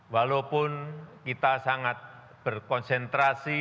walaupun kita sangat berkonsentrasi